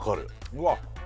うわっ